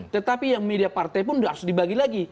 tetapi yang media partai pun harus dibagi lagi